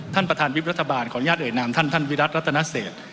ท่านประธานวิบรัฐบาลขออนุญาตเอ่ยนามท่านท่านวิรัติรัตนเศษ